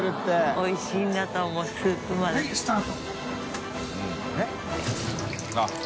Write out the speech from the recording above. おいしいんだと思うスープまで。